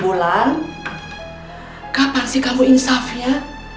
pulang kapan sih kamu insaf ya